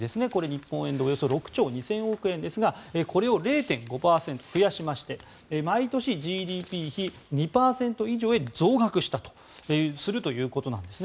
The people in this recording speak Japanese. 日本円でおよそ６兆２０００億円ですがこれを０．５％増やしまして毎年ＧＤＰ比２％以上へ増額するということなんです。